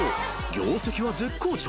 ［業績は絶好調。